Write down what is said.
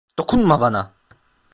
Dokunma bana!